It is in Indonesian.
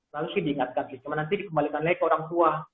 lalu sih diingatkan sih cuma nanti dikembalikan lagi ke orang tua